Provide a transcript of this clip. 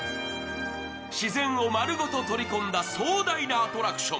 自然を丸ごと取り込んだ壮大なアトラクション。